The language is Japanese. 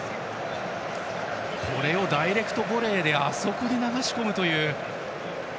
これをダイレクトボレーであそこに流し込むという。